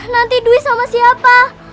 nanti duit sama siapa